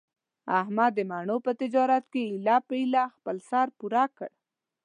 احمد د مڼو په تجارت کې ایله په ایله خپل سر پوره کړ.